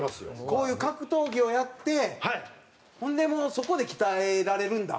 こういう格闘技をやってほんでもうそこで鍛えられるんだ。